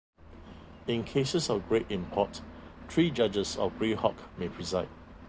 In cases of great import, three Judges of Greyhawk may preside.